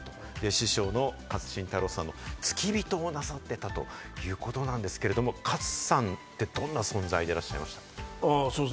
師匠の勝新太郎さんの付き人をなさっていたということなんですけれども、勝さんってどんな存在でいらっしゃいました？